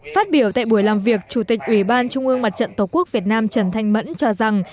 phát biểu tại buổi làm việc chủ tịch ủy ban trung ương mặt trận tổ quốc việt nam trần thanh mẫn cho rằng